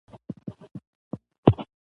او د نرينه او ښځينه جنس توپير ښيي